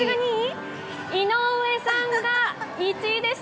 井上さんが１位でした。